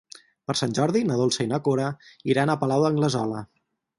Per Sant Jordi na Dolça i na Cora iran al Palau d'Anglesola.